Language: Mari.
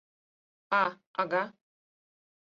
«А-ага!